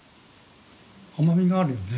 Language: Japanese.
甘みがあるよね。